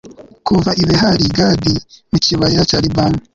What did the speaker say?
kuva i behali gadi mu kibaya cya libani